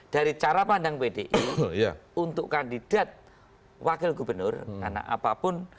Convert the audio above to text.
dari cara pandang pdi untuk kandidat wakil gubernur karena apapun